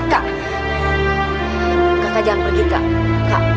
kakak jangan pergi kak